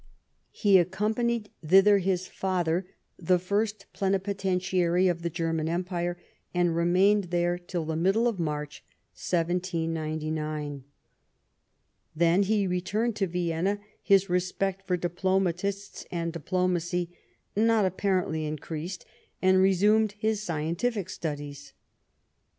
He accompanied thither his father, the first pi^nipoten 8 LIFE OF PBINCE METTEBNICH. tiary of the German Empire, and remained there till the middle of March, 1799. Then he returned to Vienna, his respect for diplomatists and diplomacy not apparently increased, and resumed his scientific studies.